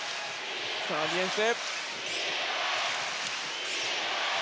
さあ、ディフェンス。